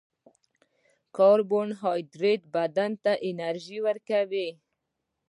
کاربوهایډریټ بدن ته انرژي ورکوي